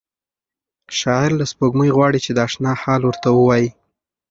شاعر له سپوږمۍ غواړي چې د اشنا حال ورته ووایي.